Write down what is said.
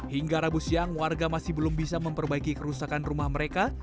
hingga rabu siang warga masih belum bisa memperbaiki kerusakan rumah mereka